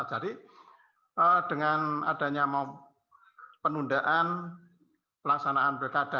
jadi dengan adanya penundaan pelaksanaan pilkada